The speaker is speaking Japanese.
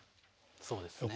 そうですね。